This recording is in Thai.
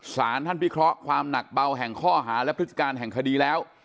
สารท่านพิเคราะห์ความหนักเบาแห่งข้อหาและพฤติการแห่งคดีแล้ว